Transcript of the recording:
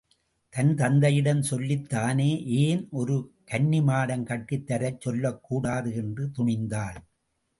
தன் தந்தையிடம் சொல்லித் தானே ஏன் ஒரு கன்னிமாடம் கட்டித் தரச் சொல்லக்கூடாது என்று துணிந்தாள்.